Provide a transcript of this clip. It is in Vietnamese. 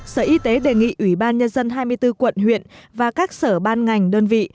sở y tế đề nghị ủy ban nhân dân hai mươi bốn quận huyện và các sở ban ngành đơn vị